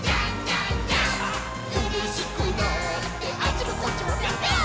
「うれしくなってあっちもこっちもぴょぴょーん」